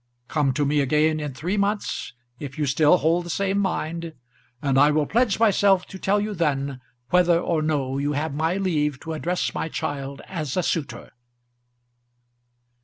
Come to me again in three months, if you still hold the same mind, and I will pledge myself to tell you then whether or no you have my leave to address my child as a suitor."